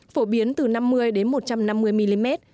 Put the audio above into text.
phổ biến từ năm mươi đến một trăm năm mươi mm